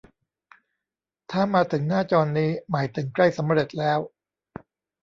ถ้ามาถึงหน้าจอนี้ หมายถึงใกล้สำเร็จแล้ว